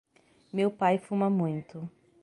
Meu pai fuma muito.